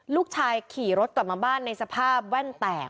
ขี่รถกลับมาบ้านในสภาพแว่นแตก